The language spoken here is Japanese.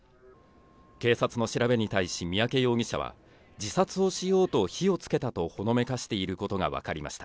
警察の調べに対し三宅容疑者は、自殺をしようと火をつけたとほのめかしていることがわかりました。